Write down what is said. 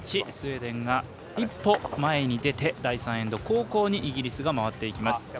スウェーデンが一歩前に出て第３エンド、後攻にイギリスが回っていきます。